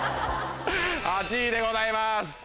８位でございます！